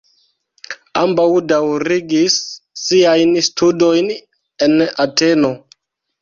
Ambaŭ daŭrigis siajn studojn en Ateno.